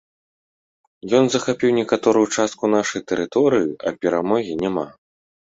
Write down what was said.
Ён захапіў некаторую частку нашай тэрыторыі, а перамогі няма.